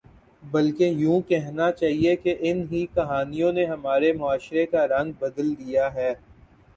بلکہ یوں کہنا چاہیے کہ ان ہی کہانیوں نے ہمارے معاشرے کا رنگ بدل دیا ہے